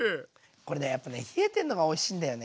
これねやっぱね冷えてるのがおいしいんだよね。